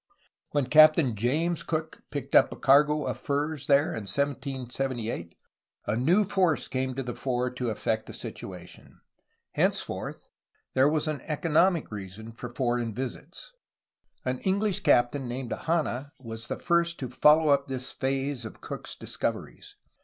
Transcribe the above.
When Captain James Cook picked up a cargo of furs there in 1778 a new force came to the fore to affect the situation; henceforth there was an economic reason for foreign visits. An English captain named Hanna was the first to follow up this phase of Cook's discoveries.